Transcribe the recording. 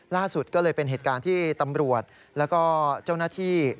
ล่าสุดก็เลยเป็นเหตุการณ์ที่ตำรวจแล้วก็เจ้าหน้าที่